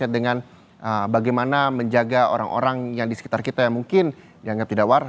dengan bagaimana menjaga orang orang yang di sekitar kita yang mungkin dianggap tidak waras